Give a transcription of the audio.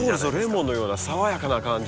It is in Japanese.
レモンのような爽やかな感じが。